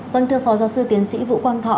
vâng thưa phó giáo sư tiến sĩ vũ quang thọ